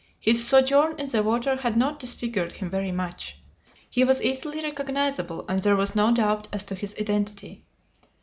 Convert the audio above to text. His sojourn in the water had not disfigured him very much. He was easily recognizable, and there was no doubt as to his identity.